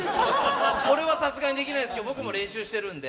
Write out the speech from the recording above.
これはさすがにできないですけど、僕も練習してるんで。